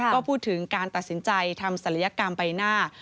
ก็พูดถึงการตัดสินใจทำศัลยกรรมใบหน้า